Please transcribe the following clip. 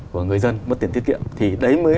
của người dân mất tiền tiết kiệm thì đấy mới